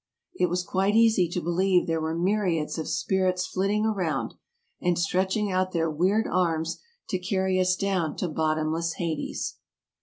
It was quite easy to believe there were myriads of spirits flitting around, and stretching out their weird arms to carry us down to bottomless Hades.